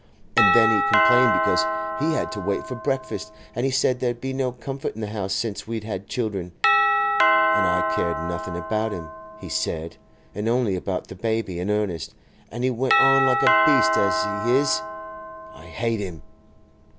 And then he complained because he had to wait for breakfast. And he said there'd been no comfort in the house since we'd had children. And I cared nothing about him, he said, and only about the baby and Ernest. And he went on like a beast, as he is! I hate him!